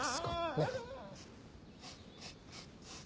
ねっ？